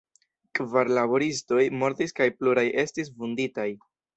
Kvar laboristoj mortis kaj pluraj estis vunditaj.